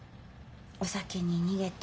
お酒に逃げて。